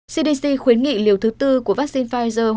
cdc khuyến nghị liều thứ tư của vaccine pfizer